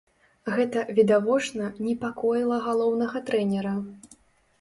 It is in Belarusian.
Гэта, відавочна, непакоіла галоўнага трэнера.